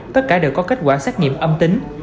tất cả đều có kết quả xét nghiệm âm tính